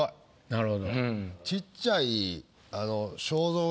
なるほど。